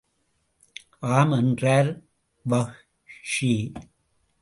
ஆம் என்றார் வஹ்ஷி.